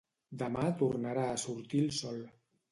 Demà tornarà a sortir el sol.